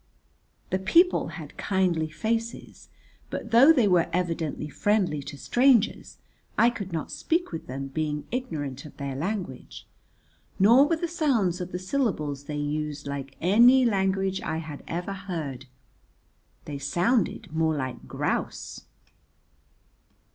The people had kindly faces, but, though they were evidently friendly to strangers, I could not speak with them being ignorant of their language, nor were the sounds of the syllables they used like any language I had ever heard: they sounded more like grouse.